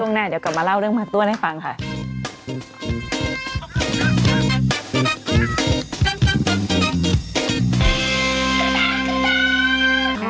เดี๋ยวกลับมาเล่าเรื่องมันต้นให้ฟังนะคะ